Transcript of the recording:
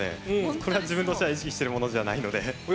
これは自分としては意識しているものじゃないので。